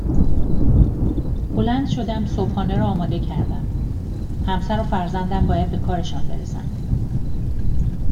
بلند شدم صبحانه را آماده کردم همسر و فرزندم باید به کارشان برسند